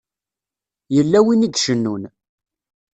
Yella win i icennun.